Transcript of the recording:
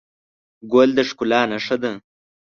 ګل د ښکلا نښه ده.